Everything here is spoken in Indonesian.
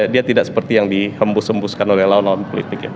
dia tidak seperti yang dihembus hembuskan oleh lawan lawan politik ya